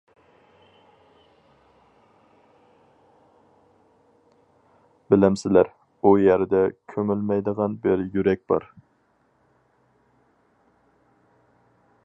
بىلەمسىلەر؟ ئۇ يەردە كۆمۈلمەيدىغان بىر يۈرەك بار.